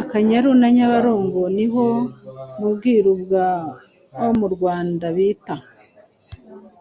Akanyaru na Nyabarongo ni ho mu Bwiru bwo mu Rwanda bita